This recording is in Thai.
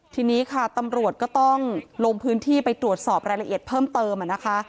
ทีนี้ค่ะตำรวจก็ต้องลงพื้นที่ไปตรวจสอบรายละเอียดเพิ่มเติมนะคะ